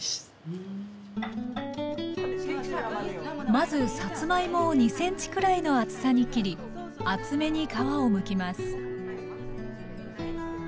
まずさつまいもを２ｃｍくらいの厚さに切り厚めに皮をむきます